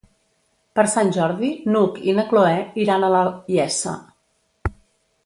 Per Sant Jordi n'Hug i na Cloè iran a la Iessa.